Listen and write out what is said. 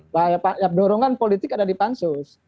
bahwa dorongan politik ada di pansus